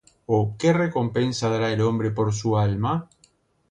O ¿qué recompensa dará el hombre por su alma?